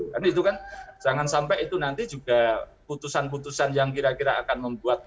kan itu kan jangan sampai itu nanti juga putusan putusan yang kira kira akan membuat